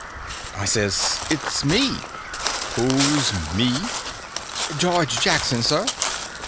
I says: "It's me." "Who's me?" "George Jackson, sir."